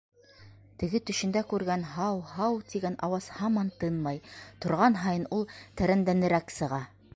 Теге төшөндә күргән «һау, һау» тигән ауаз һаман тынмай, торған һайын ул тәрәндәнерәк сыға.